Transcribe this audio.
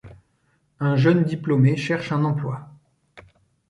Un jeune diplômé cherche un emploi.